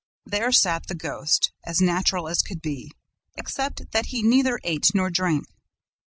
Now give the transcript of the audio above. There sat the ghost, as natural as could be, except that he neither ate nor drank.